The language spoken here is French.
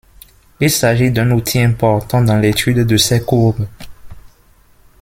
Il s'agit d'un outil important dans l'étude de ces courbes.